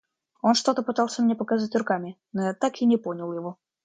Он что-то пытался мне показать руками, но я так и не понял его.